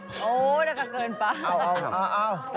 โหน่าจะเกินป่ะ